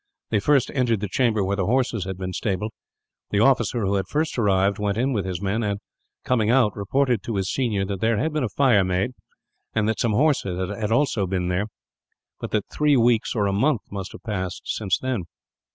They first entered the chamber where the horses had been stabled. The officer who had first arrived went in with his men and, coming out, reported to his senior that there had been a fire made, and that some horses had also been there; but that three weeks, or a month, must have passed since then.